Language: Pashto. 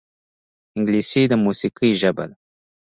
انګلیسي د موسیقۍ ژبه ده